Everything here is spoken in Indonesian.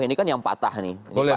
ini kan yang patah nih